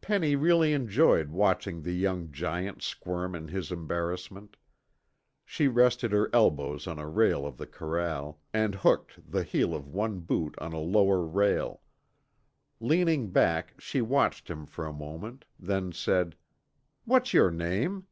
Penny really enjoyed watching the young giant squirm in his embarrassment. She rested her elbows on a rail of the corral, and hooked the heel of one boot on a lower rail. Leaning back, she watched him for a moment, then said, "What's your name?"